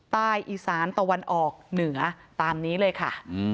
อีสานตะวันออกเหนือตามนี้เลยค่ะ